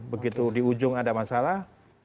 begitu di ujung ada masalah